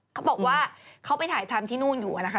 เขาบอกว่าเขาไปถ่ายทำที่นู่นอยู่นะคะ